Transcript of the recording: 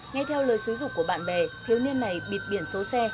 nghe theo lời xứ dục của bạn bè thiếu niên này bịt biển số xe